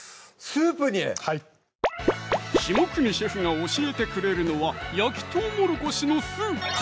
スープに⁉はい下國シェフが教えてくれるのは「焼きとうもろこしのスープ」